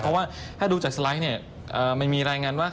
เพราะว่าถ้าดูจากสไลด์มันมีรายงานว่า